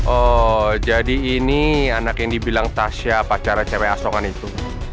oh jadi ini anak yang dibilang tasya pacar cewek asongan itu